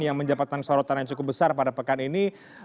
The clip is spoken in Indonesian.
yang menjabatkan sorotan yang cukup besar pada pekan ini